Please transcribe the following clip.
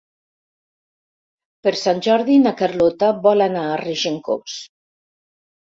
Per Sant Jordi na Carlota vol anar a Regencós.